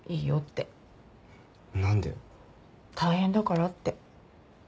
大変だからって。